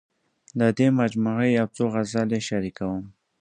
د دې مجموعې یو څو غزلې شریکوم.